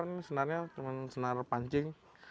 ini senarnya cuma senar pancing